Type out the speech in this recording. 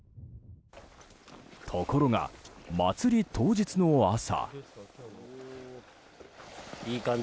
ところが、祭り当日の朝。